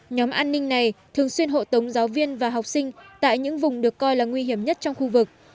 nhóm an ninh này thường xuyên hộ tống giáo viên và học sinh tại những vùng được coi là nguy hiểm nhất trong khu vực